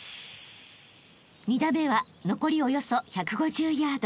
［２打目は残りおよそ１５０ヤード］